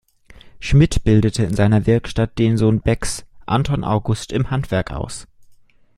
Schmidt bildete in seiner Werkstatt den Sohn Becks Anton August im Handwerk aus.